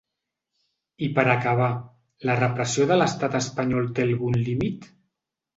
I per acabar: la repressió de l’estat espanyol té algun límit?